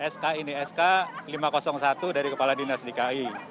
sk ini sk lima ratus satu dari kepala dinas dki